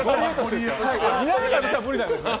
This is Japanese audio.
みなみかわとしては無理なんですね？